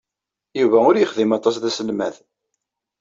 Yuba ur yexdim aṭas d aselmad.